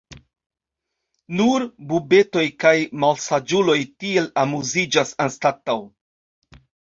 Nur bubetoj kaj malsaĝuloj tiel amuziĝas anstataŭ.